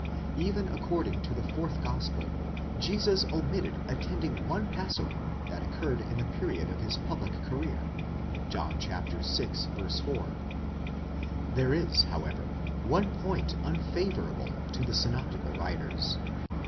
Even according to the fourth gospel, Jesus omitted attending one passover that occurred in the «period of his public career (John vi. 4). There is, however, one point unfavourable to the synoptical writers.